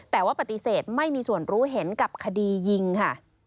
แต่ว่าปฏิเสธไม่มีส่วนรู้เห็นกับคดียิงค่ะ